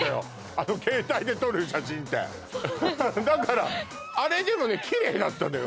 あの携帯で撮る写真ってだからあれでもねキレイだったのよ